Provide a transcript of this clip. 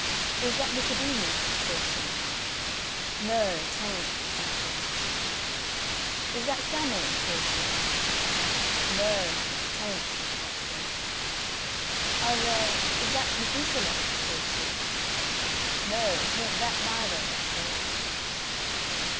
"Is that Nicodemus?" says she. "Noo, t'ain't," that says. "Is that Sammle?" says she. "Noo, t'ain't," that says. "A well, is that Methusalem?" says she. "Noo, t'ain't that neither," that says.